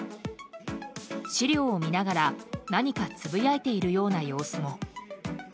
資料を見ながら何かつぶやいているような様子も。